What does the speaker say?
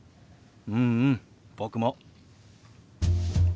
うんうん僕も。